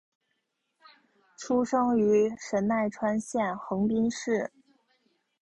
出生于神奈川县横滨市。